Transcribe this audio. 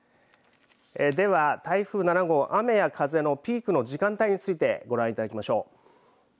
では、台風７号雨や風のピークの時間帯についてご覧いただきましょう。